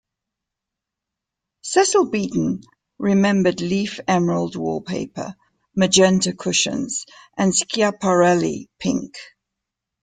Cecil Beaton remembered leaf-emerald wallpaper, magenta cushions, and Schiaparelli pink.